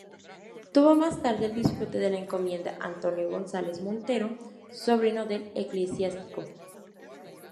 Tuvo más tarde el disfrute de la encomienda, Antonio González Montero, sobrino del eclesiástico.